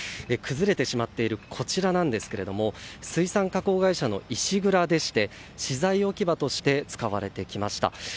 崩れてしまっているこちらなんですけれども水産加工会社の石蔵で資材置き場として使われてきました。